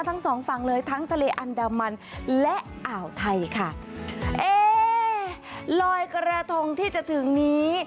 ทั้งสองฝั่งเลยทั้งทะเลอันดามันและอ่าวไทยค่ะเอ๊ลอยกระทงที่จะถึงนี้